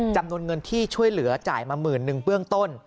จำนวนเงินที่ช่วยเหลือจ่ายมาหมื่นนึงเบื้องต้น